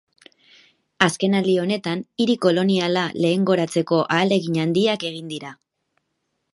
Azkenaldi honetan hiri koloniala lehengoratzeko ahalegin handiak egin dira.